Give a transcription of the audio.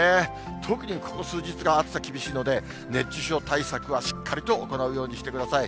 特にここ数日が暑さの厳しいので、熱中症対策はしっかりと行うようにしてください。